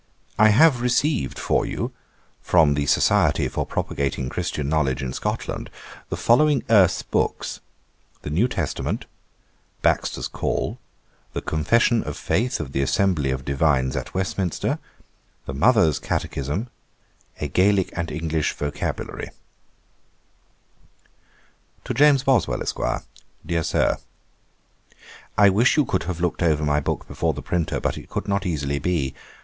'I have received for you, from the Society for propagating Christian Knowledge in Scotland, the following Erse books: _The New Testament; Baxter's Call; The Confession of Faith of the Assembly of Divines at Westminster; The Mother's Catechism; A Gaelick and English Vocabulary_. 'To JAMES BOSWELL, ESQ. 'DEAR SIR, 'I wish you could have looked over my book before the printer, but it could not easily be.